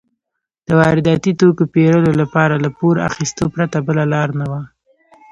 د وارداتي توکو پېرلو لپاره له پور اخیستو پرته بله لار نه وه.